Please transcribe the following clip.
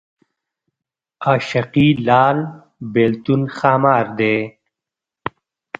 عاشقي لال بېلتون ښامار دی